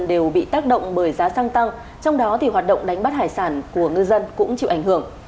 đều bị tác động bởi giá xăng tăng trong đó thì hoạt động đánh bắt hải sản của ngư dân cũng chịu ảnh hưởng